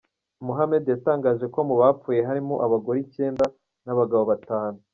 Mohamed yatangaje ko mu bapfuye harimo abagore icyenda n’ abagabo batanu.